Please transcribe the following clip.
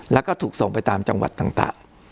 แล้วก็ถูกส่งไปตามจังหวัดต่าง